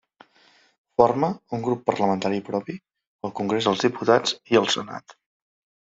Forma un grup parlamentari propi al Congrés dels Diputats i al Senat.